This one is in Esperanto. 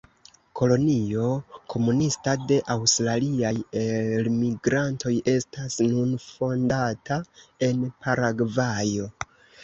Kolonio komunista de Aŭstraliaj elmigrantoj estas nun fondata en Paragvajo.